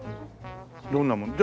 どんなもん？